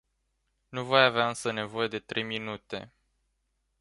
Nu voi avea însă nevoie de trei minute.